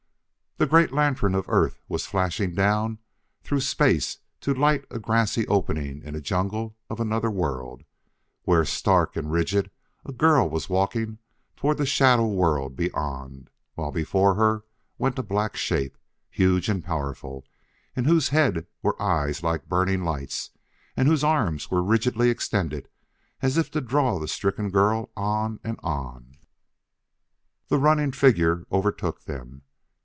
The great lantern of Earth was flashing down through space to light a grassy opening in a jungle of another world, where, stark and rigid, a girl was walking toward the shadow world beyond, while before her went a black shape, huge and powerful, in whose head were eyes like burning lights, and whose arms were rigidly extended as if to draw the stricken girl on and on. The running figure overtook them.